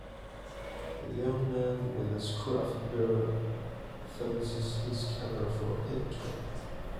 A young man with a scruffy beard focuses his camera for a picture.